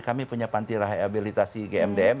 kami punya panti rehabilitasi gmdm